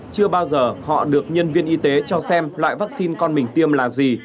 chưa bao giờ họ được nhân viên y tế cho xem loại vaccine con mình tiêm là gì